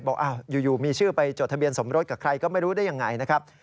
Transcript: บอกอยู่มีชื่อไปจดทะเบียนสมรสกับใครก็ไม่รู้ได้ยังไงนะครับ